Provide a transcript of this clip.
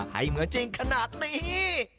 ให้เหมือนจริงขนาดนี้